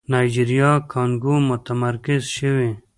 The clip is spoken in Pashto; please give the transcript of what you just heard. نایجيريا کانګو متمرکز شوی.